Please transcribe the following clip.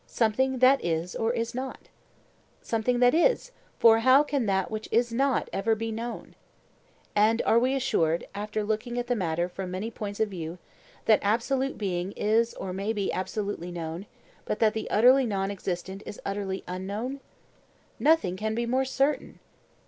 Something that is or is not? Something that is; for how can that which is not ever be known? And are we assured, after looking at the matter from many points of view, that absolute being is or may be absolutely known, but that the utterly non existent is utterly unknown? Nothing can be more certain.